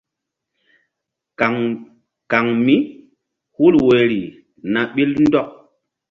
Kan mí hul woyri na ɓil ndɔk.